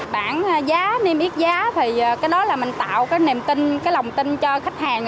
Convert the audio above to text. bảng giá niêm yết giá thì cái đó là mình tạo cái niềm tin cái lòng tin cho khách hàng